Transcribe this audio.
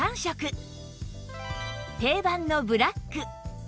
定番のブラック